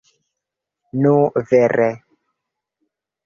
Nu, vere.